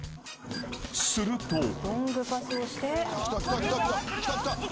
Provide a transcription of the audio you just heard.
［すると］